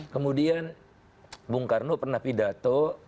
kemudian bung karno pernah pidato